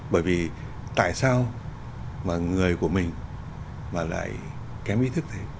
bởi vì tại sao mà người của mình mà lại kém ý thức thế